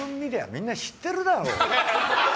みんな知ってるだろう。